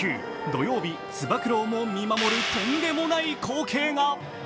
土曜日、つば九郎も見守る中、とんでもない光景が。